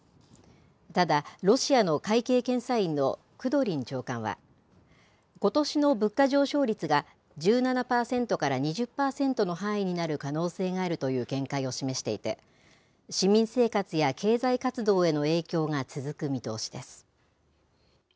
ただ、ロシアの会計検査院のクドリン長官は、ことしの物価上昇率が１７％から２０％の範囲になる可能性があるという見解を示していて、市民生活や経済活動への影響が続く見通しです。